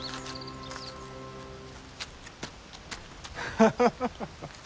ハハハハッ。